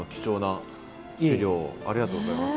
ありがとうございます。